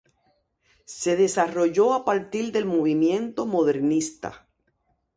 Se desarrolló a partir del movimiento modernista.